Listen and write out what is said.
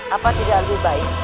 apa tidak lebih baik